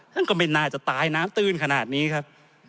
ก็ไม่น่าจะตายน้ำตื้นขนาดนี้ครับ